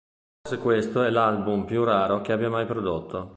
Forse questo è l'album più raro che abbia mai prodotto.